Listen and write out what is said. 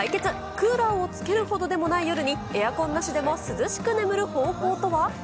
クーラーをつけるほどでもない夜に、エアコンなしでも涼しく眠る方法とは。